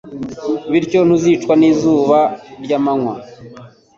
Bityo ntuzicwa n’izuba ry’amanywa